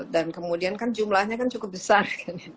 dan kemudian kan jumlahnya cukup besar